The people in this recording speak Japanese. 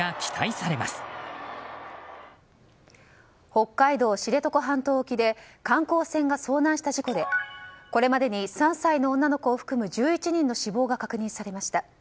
北海道知床半島沖で観光船が遭難した事故でこれまでに３歳の女の子を含む１１人の死亡が確認されました。